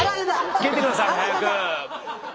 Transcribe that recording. つけて下さい早く！